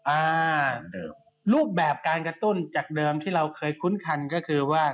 อ่าเดิมรูปแบบการกระตุ้นจากเดิมที่เราเคยคุ้นคันก็คือว่า